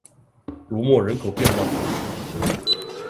卢莫人口变化图示